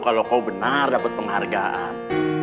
kalau kau benar dapat penghargaan